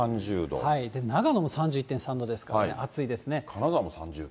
長野も３１．３度ですからね、金沢も３０度。